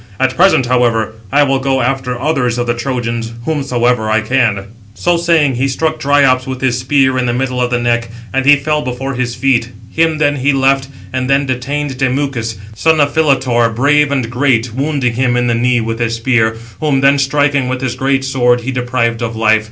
At present, however, I will go after others of the Trojans, whomsoever I can." So saying, he struck Dryops with his spear in the middle of the neck, and he fell before his feet. Him then he left, and then detained Demuchus, son of Philetor, brave and great, wounding [him] in the knee, with his spear, whom then striking with his great sword, he deprived of life.